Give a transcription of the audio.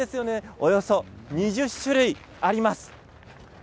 およそ２０種類あります。